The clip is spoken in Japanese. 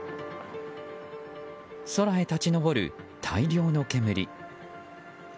空へ立ち上る大量の煙。